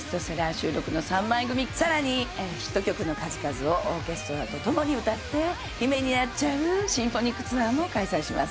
収録の３枚組さらにヒット曲の数々をオーケストラとともに歌って夢にやっちゃうシンフォニックツアーも開催します